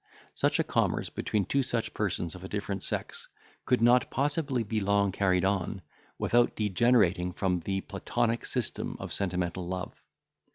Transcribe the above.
Such a commerce between two such persons of a different sex could not possibly be long carried on, without degenerating from the Platonic system of sentimental love.